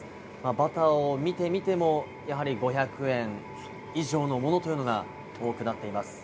バターを見てみても、やはり５００円以上のものというのが多くなっています。